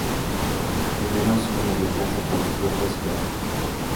Temeroso, lo reemplaza con su propio esperma.